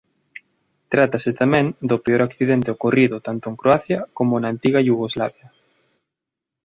Trátase tamén do peor accidente ocorrido tanto en Croacia como na antiga Iugoslavia.